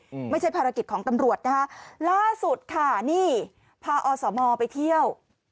อืมไม่ใช่ภารกิจของตำรวจนะคะล่าสุดค่ะนี่พาอสมไปเที่ยว